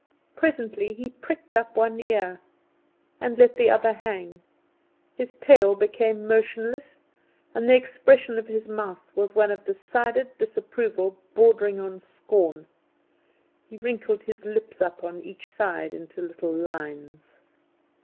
Presently he pricked up one ear and let the other hang; his tail became motionless, and the expression of his mouth was one of decided disapproval bordering on scorn. He wrinkled his lips up on each side into little lines.